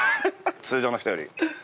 通常の人より。